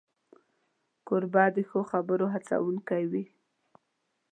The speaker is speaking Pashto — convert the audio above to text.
کوربه د ښو خبرو هڅونکی وي.